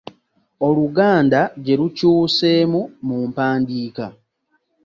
Oluganda gye lukyuseemu mu mpandiika.